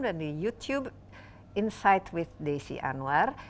dan di youtube insight with desi anwar